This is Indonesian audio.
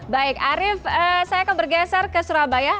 baik arief saya akan bergeser ke surabaya